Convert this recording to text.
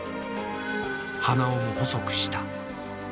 鼻緒も細くした。